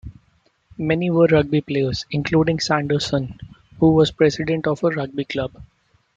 Many were rugby players, including Sanderson, who was president of a rugby club.